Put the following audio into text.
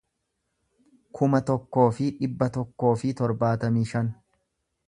kuma tokkoo fi dhibba tokkoo fi torbaatamii shan